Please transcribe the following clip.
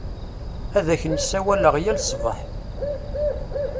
Ad ak-n-sawaleɣ yal ṣṣbeḥ.